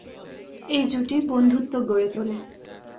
এই জুটি বন্ধুত্ব গড়ে তোলে।